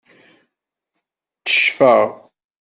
Ttecfeɣ.